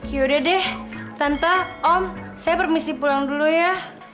yaudah deh tante om saya permisi pulang dulu ya